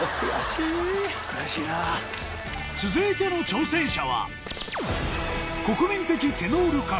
続いての挑戦者は